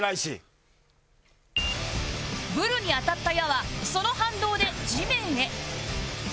ブルに当たった矢はその反動で地面へ